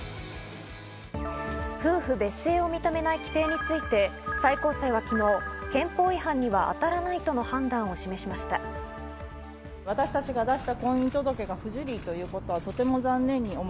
夫婦別姓を認めない規定について、最高裁は昨日、憲法違反には当たらないとの判断を示しました。